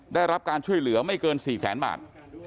ได้รับการช่วยเหลือไม่เกิน๔แสนบาท